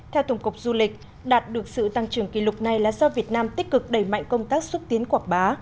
theo tổng cục du lịch đạt được sự tăng trưởng kỷ lục này là do việt nam tích cực đẩy mạnh công tác xúc tiến quảng bá